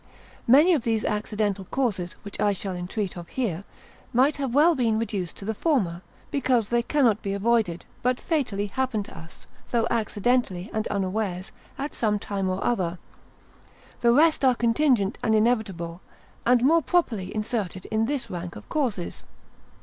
Many of these accidental causes, which I shall entreat of here, might have well been reduced to the former, because they cannot be avoided, but fatally happen to us, though accidentally, and unawares, at some time or other; the rest are contingent and inevitable, and more properly inserted in this rank of causes.